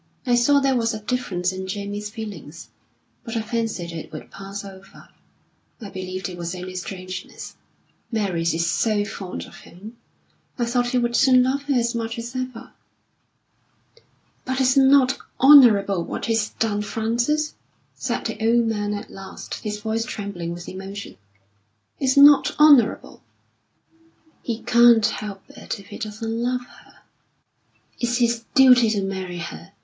I saw there was a difference in Jamie's feelings, but I fancied it would pass over. I believed it was only strangeness. Mary is so fond of him, I thought he would soon love her as much as ever." "But it's not honourable what he's done, Frances," said the old man at last, his voice trembling with emotion. "It's not honourable." "He can't help it if he doesn't love her." "It's his duty to marry her.